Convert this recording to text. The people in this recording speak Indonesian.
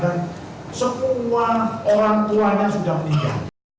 dan semua orang tuanya sudah meninggal